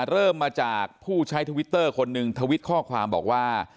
เริ่มมาจากผู้ใช้ทวิตเตอร์คนหนึ่งทวิตข้อความบอกว่า